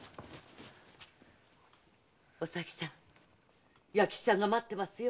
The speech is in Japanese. お咲さん弥吉さんが待ってますよ。